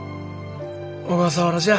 小笠原じゃ。